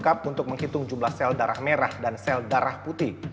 lengkap untuk menghitung jumlah sel darah merah dan sel darah putih